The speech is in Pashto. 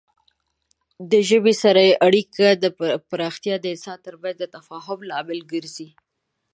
د ژبې سره د اړیکو پراختیا د انسانانو ترمنځ د تفاهم لامل ګرځي.